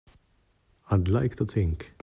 I'd like to think.